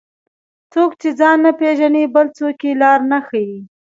څوک چې ځان نه پیژني، بل څوک یې لار نه ښيي.